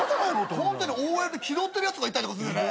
ＯＬで気取ってるやつがいたりとかするね。